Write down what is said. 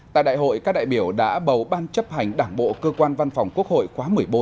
tại đại hội các đại biểu đã bầu ban chấp hành đảng bộ cơ quan văn phòng quốc hội khóa một mươi bốn